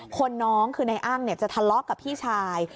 คนน้องคือนายอ้างจะทะเลาะกับพี่ชาย